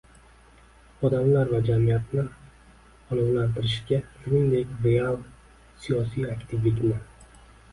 odamlar va jamiyatni olovlantirishga shuningdek real siyosiy aktivlikni